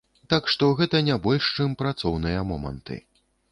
Так што гэта не больш чым працоўныя моманты.